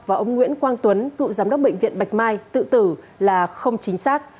và ông nguyễn quang tuấn cựu giám đốc bệnh viện bạch mai tự tử là không chính xác